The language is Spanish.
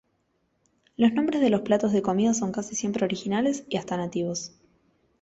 Los nombres de los platos de comida son casi siempre originales y hasta nativos.